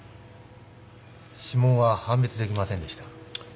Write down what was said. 指紋は判別できませんでした。